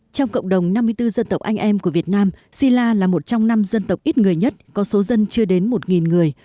trong cộng đồng năm mươi bốn dân tộc anh em của việt nam si la là một trong năm dân tộc ít người nhất có số dân chưa đến một người